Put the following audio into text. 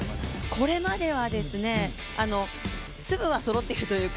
これまでは粒はそろってるというか